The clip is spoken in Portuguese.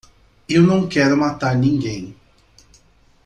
Eu não quero matar ninguém.